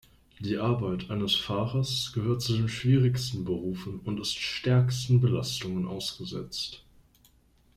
Die Arbeit eines Fahrers gehört zu den schwierigsten Berufen und ist stärksten Belastungen ausgesetzt.